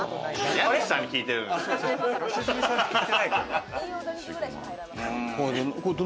家主さんに聞いてるの。